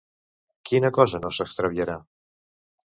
Quina cosa no s'extraviarà?